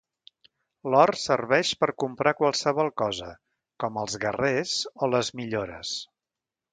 L'or serveix per comprar qualsevol cosa, com els guerrers o les millores.